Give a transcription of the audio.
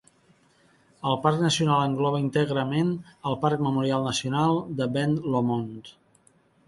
El parc nacional engloba íntegrament el Parc Memorial Nacional de Ben Lomond.